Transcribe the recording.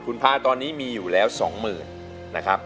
คุณพาตอนนี้มีอยู่แล้ว๒๐๐๐นะครับ